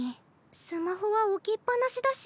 スマホは置きっ放しだし。